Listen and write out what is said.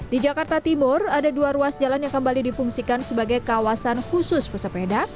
di jakarta timur ada dua ruas jalan yang kembali difungsikan sebagai kawasan khusus pesepeda